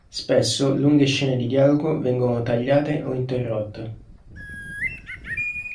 Spesso lunghe scene di dialogo vengono tagliate o interrotte.